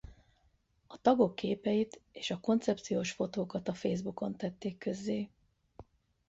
A tagok képeit és a koncepciós fotókat a Facebook-on tették közzé.